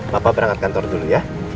bapak berangkat kantor dulu ya